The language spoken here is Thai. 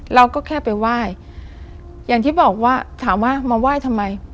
เราก็แค่ไปไหว้อย่างที่บอกว่าถามว่ามาไหว้ทำไม